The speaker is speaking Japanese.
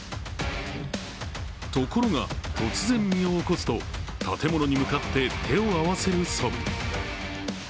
ところが突然、身を起こすと、建物に向かって手を合わせるそぶり。